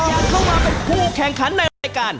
อยากเข้ามาเป็นผู้แข่งขันในรายการ